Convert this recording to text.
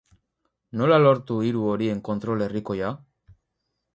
Nola lortu hiru horien kontrol herrikoia?